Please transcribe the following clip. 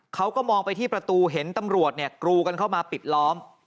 เขาก็มองไปที่ประตูเห็นตำรวจกรูกันเข้ามาปิดล้อม